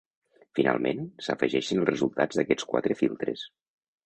Finalment, s'afegeixen els resultats d'aquests quatre filtres.